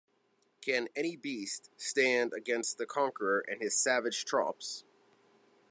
Can anybeast stand against the conqueror and his savage tropps?